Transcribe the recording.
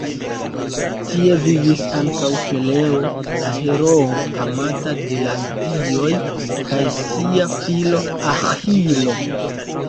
Tie vivis ankaŭ Peleo, la heroo amata de la dioj, kaj sia filo Aĥilo.